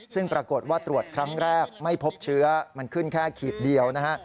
ซึ่งปรากฏว่าตรวจครั้งแรกไม่พบเชื้อมันขึ้นแค่ขีดเดียวนะฮะ